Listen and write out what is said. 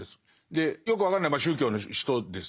でよく分かんない宗教の人ですよね。